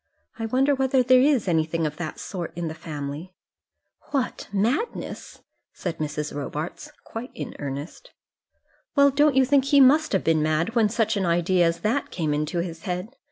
I wonder whether there is anything of that sort in the family?" "What; madness?" said Mrs. Robarts, quite in earnest. "Well, don't you think he must have been mad when such an idea as that came into his head?